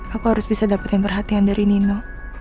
aku harus bisa dapetin perhatian dari nino